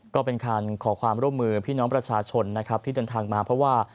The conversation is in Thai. ก็เป็นการขอความร่วมมือพี่น้องประชาชนนะครับที่เดินทางมาเพราะว่า